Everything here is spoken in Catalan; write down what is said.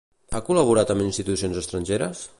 Ha col·laborat amb institucions estrangeres?